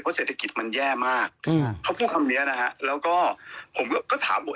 เศรษฐกิจมันแย่มากอืมเขาพูดคำเนี้ยนะฮะแล้วก็ผมก็ถามว่า